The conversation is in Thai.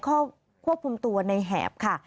เข้าควบคุมตัวในแหบค่ะ